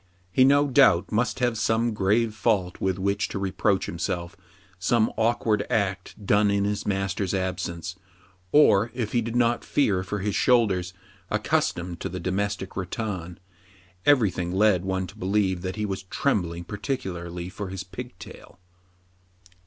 He, no doubt, must have some grave fault with which to reproach himself, some awkward act done in his master's absence ; or if he did not fear for his shoulders, accustomed to the domestic rattan, every thing led one to believe that he was trembling particularly for his pigtail.